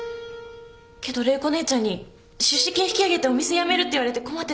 けど玲子姉ちゃんに出資金引き上げてお店辞めるって言われて困ってたんでしょ？